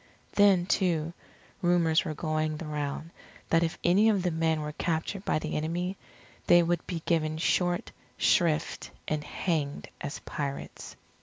Then, too, rumours were going the round, that if any of the men were captured by the enemy, they would be given short shrift and hanged as pirates.